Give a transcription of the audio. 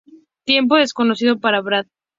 Tiempo desconocido para Brad.